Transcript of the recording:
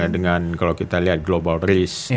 dengan kalau kita lihat global risk